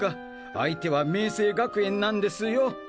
相手は明青学園なんですよ。